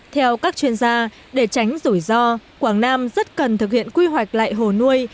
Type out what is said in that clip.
theo các chuyên gia để tránh rủi ro quảng nam rất cần thực hiện quy hoạch lại hồ nuôi